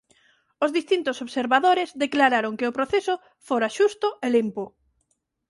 Os distintos observadores declararon que o proceso fora xusto e limpo.